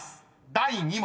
第２問］